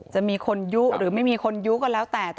จะมีคนยุหรือไม่มีคนยุ้ก็แล้วแต่